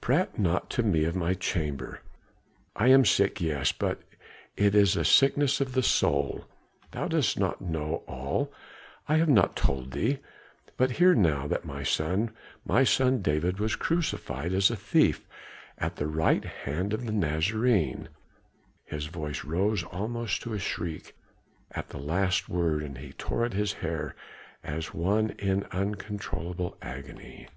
"Prate not to me of my chamber! I am sick, yes, but it is a sickness of the soul. Thou dost not know all, I have not told thee; but hear now that my son, my son David, was crucified as a thief at the right hand of the Nazarene." His voice rose almost to a shriek at the last word and he tore at his hair as one in uncontrollable agony.